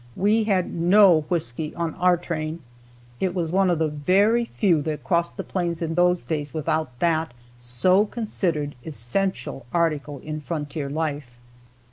We had no whisky on our train. It was one of the very few that crossed the plains in those days without that, so considered, essential article in frontier life.